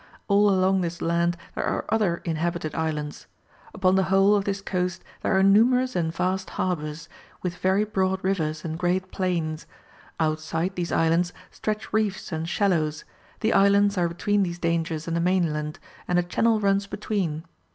All along this land there are other inhabited islands. Upon the whole of this coast there are numerous and vast harbours, with very broad rivers and great plains. Outside these islands stretch reefs and shallows; the islands are between these dangers and the mainland, and a channel runs between.